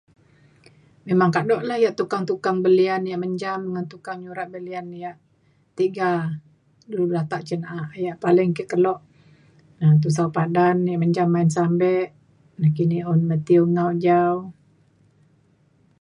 memang kado la ia' tukang tukang belian ia' menjam ngan tukang nyurat belian ia' tiga dulu latak cin na'a ia' paling ke kelo na Tusau Padan ia' menjam main sampe nekini un Mathew Ngau Jau